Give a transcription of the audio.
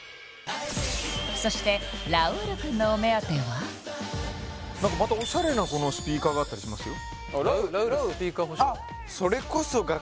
そしてラウールくんのお目当ては何かまたおしゃれなスピーカーがあったりしますよ